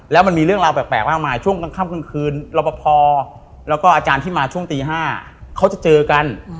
แล้วมันมีเรื่องราวแปลกมากมายช่วงกลางค่ำกลางคืนรอปภแล้วก็อาจารย์ที่มาช่วงตี๕เขาจะเจอกัน